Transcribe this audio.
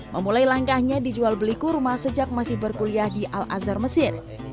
memulai langkahnya dijual beli kurma sejak masih berkuliah di al azhar mesir